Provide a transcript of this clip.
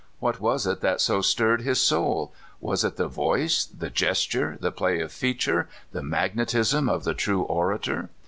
What was it that so stirred his soul? Was it the voice, the gesture, the play of feature, the magnetism of the true orator?